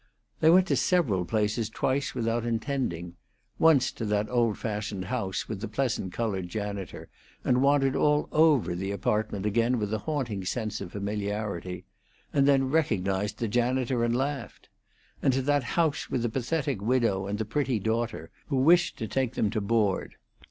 They went to several places twice without intending: once to that old fashioned house with the pleasant colored janitor, and wandered all over the apartment again with a haunting sense of familiarity, and then recognized the janitor and laughed; and to that house with the pathetic widow and the pretty daughter who wished to take them to board.